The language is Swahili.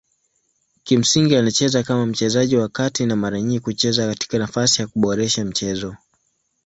Kimsingi anacheza kama mchezaji wa kati mara nyingi kucheza katika nafasi kuboresha mchezo.